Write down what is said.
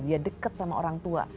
dia deket sama orang tua